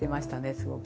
すごく。